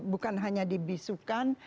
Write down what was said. bukan hanya dibisukan